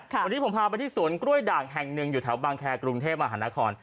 วันนี้ผมพาไปที่สวนกล้วยด่างแห่งหนึ่งอยู่แถวบางแครกรุงเทพมหานคร